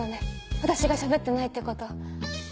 私が喋ってないってこと。